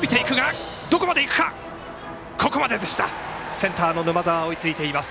センターの沼澤が追いついています。